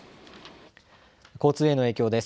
交通への影響です。